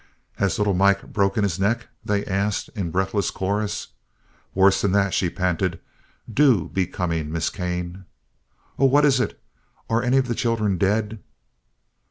"Has little Mike broken his neck?" they asked in breathless chorus. "Worse nor that," she panted; "do be comin', Miss Kane!" "Oh, what is it? Are any of the children dead?"